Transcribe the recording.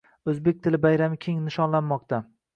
Oʻzbek tili bayrami keng nishonlanmoqda